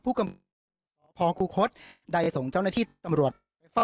ผู้กำกับพอคูคศได้ส่งเจ้าหน้าที่ตำรวจเฝ้า